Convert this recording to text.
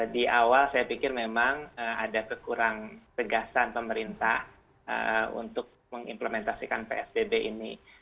di awal saya pikir memang ada kekurang tegasan pemerintah untuk mengimplementasikan psbb ini